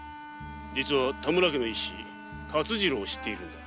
実は田村家の長男勝次郎を知っているのだ。